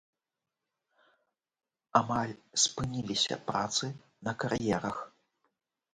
Амаль спыніліся працы на кар'ерах.